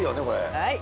はい。